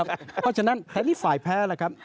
เพราะฉะนั้นแฮรี่ฝ่ายแพ้ล่ะครับ